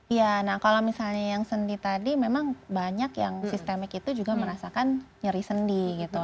iya nah kalau misalnya yang sendi tadi memang banyak yang sistemik itu juga merasakan nyeri sendi gitu